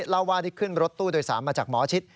เล่าว่าได้ขึ้นรถตู้โดยสารมาจากหมอชิด